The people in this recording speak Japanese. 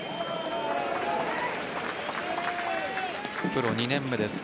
プロ２年目です